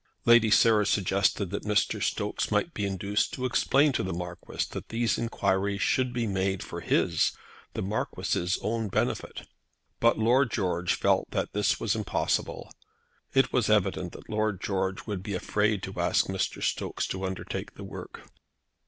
Lady Sarah suggested that Mr. Stokes might be induced to explain to the Marquis that these enquiries should be made for his, the Marquis's, own benefit. But Lord George felt that this was impossible. It was evident that Lord George would be afraid to ask Mr. Stokes to undertake the work.